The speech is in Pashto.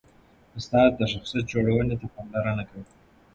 استاد د شخصیت جوړښت ته پاملرنه کوي.